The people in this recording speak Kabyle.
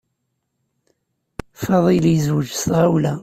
Fadil yezweǧ s tɣawla.